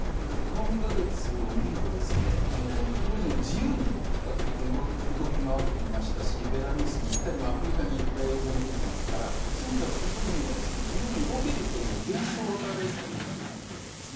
この２か月を見るとプリゴジンは自由に比較的動き回っていましたしベラルーシに行ったりアフリカに行った映像も出ていますからそういう意味ではプリゴジンは自由に動けるという幻想を与えられてたかもしれないと思うんですね。